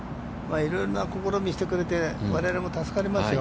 いろいろな試み、してくれて、我々も助かりますよ。